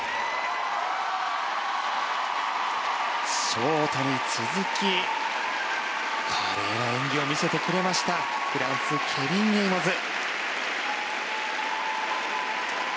ショートに続き華麗な演技を見せてくれましたフランス、ケビン・エイモズ。